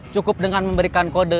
cukup dengan memberikan kode